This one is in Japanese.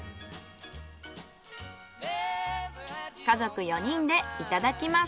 家族４人でいただきます。